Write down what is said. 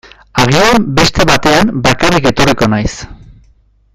Agian beste batean bakarrik etorriko naiz.